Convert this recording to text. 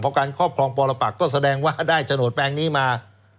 เพราะการครอบครองประปักษ์ก็แสดงว่าได้จโนตแปลงนี้มา